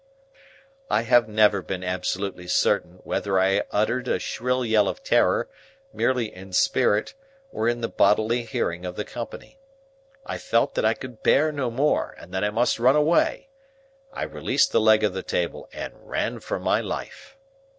I have never been absolutely certain whether I uttered a shrill yell of terror, merely in spirit, or in the bodily hearing of the company. I felt that I could bear no more, and that I must run away. I released the leg of the table, and ran for my life.